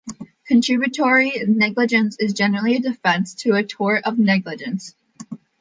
Contributory negligence is generally a defense to a tort of negligence.